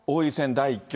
第１局。